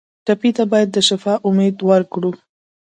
ټپي ته باید د شفا امید ورکړو.